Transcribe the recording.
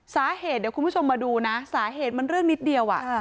สาเหตุเดี๋ยวคุณผู้ชมมาดูนะสาเหตุมันเรื่องนิดเดียว